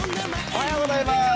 おはようございます。